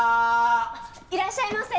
あっいらっしゃいませ。